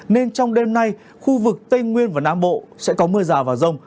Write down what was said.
nên trong đêm nay khu vực tây nguyên và nam bộ sẽ có mưa rào và rông